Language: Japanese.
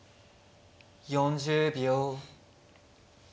４０秒。